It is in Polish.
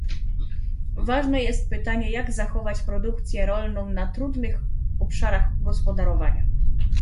Ważne jest pytanie, jak zachować produkcję rolną na trudnych obszarach gospodarowania